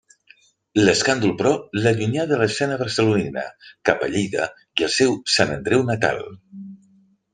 L'escàndol, però, l'allunyà de l'escena barcelonina, cap a Lleida i el seu Sant Andreu natal.